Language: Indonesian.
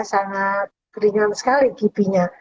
sangat keringat sekali kipiknya